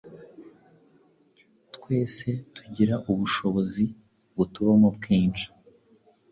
Twese tugira ubushobozi butubamo bwinshi.